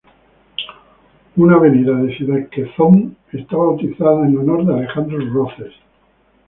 Una avenida de Ciudad Quezón está bautizada en honor de Alejandro Roces.